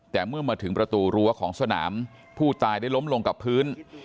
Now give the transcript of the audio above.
แต่เมื่อมาถึงประตูรั้วของสนามผู้ตายได้ล้มลงกับพื้น